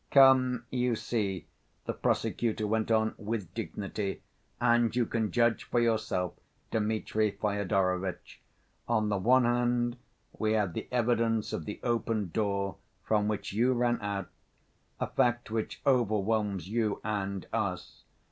"Come, you see," the prosecutor went on with dignity, "and you can judge for yourself, Dmitri Fyodorovitch. On the one hand we have the evidence of the open door from which you ran out, a fact which overwhelms you and us.